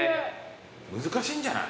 難しいんじゃない？